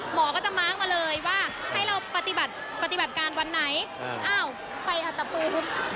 หมอก็จะมาร์คมาเลยว่าให้เราปฏิบัติปฏิบัติการวันไหนอ้าวไฟอาจจะปืน